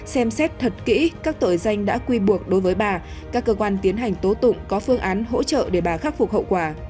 xem xét thật kỹ các tội danh đã quy buộc đối với bà các cơ quan tiến hành tố tụng có phương án hỗ trợ để bà khắc phục hậu quả